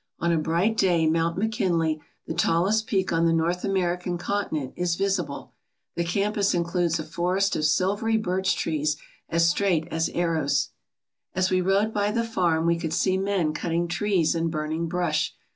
On a bright day Mount McKinley, the tallest peak on the North American continent, is visible. The campus includes a forest of silvery birch trees as straight as arrows. As we rode by the farm we could see men cutting trees and burning brush.